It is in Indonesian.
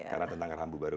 karena tentang rambu baru